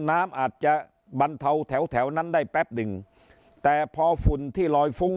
น้ำอาจจะบรรเทาแถวแถวนั้นได้แป๊บหนึ่งแต่พอฝุ่นที่ลอยฟุ้ง